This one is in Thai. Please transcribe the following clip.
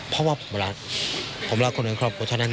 เพราะว่าผมรักผมรักคนอินคือครอบครัวชะนั้นเอง